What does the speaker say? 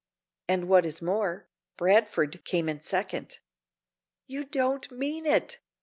"And what is more, Bradford came in second." "You don't mean it!"